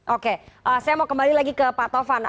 oke saya mau kembali lagi ke pak tovan